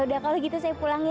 ya udah kalau gitu saya pulang ya